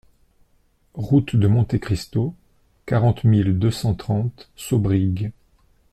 Route de Monte Cristo, quarante mille deux cent trente Saubrigues